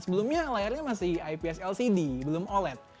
sebelumnya layarnya masih ips lcd belum oled